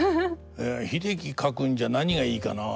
「英樹描くんじゃ何がいいかな？